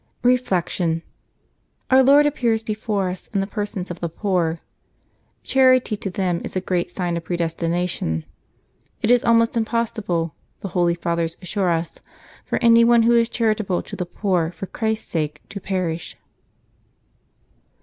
Reflection. — Our Lord appears before us in the persons of the poor. Charity to them is a great sign of predestina tion. It is almost impossible, the holy Fathers assure us, for any one who is charitable to the poor for Chrisf s sake to perish.